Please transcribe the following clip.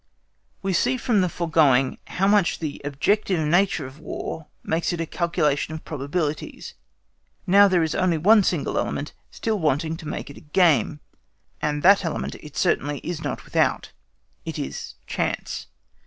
We see from the foregoing how much the objective nature of War makes it a calculation of probabilities; now there is only one single element still wanting to make it a game, and that element it certainly is not without: it is chance.